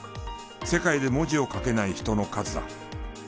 世界で文字を書けない人の数だ。